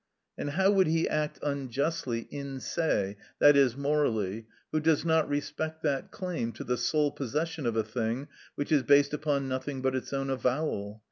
And how would he act unjustly in se, i.e., morally, who does not respect that claim to the sole possession of a thing which is based upon nothing but its own avowal?